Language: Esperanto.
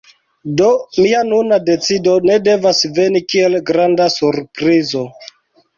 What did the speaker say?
Do, mia nuna decido ne devas veni kiel granda surprizo.